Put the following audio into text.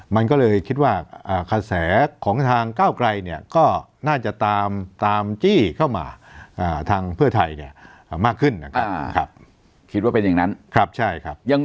มันก็เลยคิดว่าคาแสของทางกร่าวไกลก็น่าจะตามจี้เข้ามาพหัวไทยมักขึ้น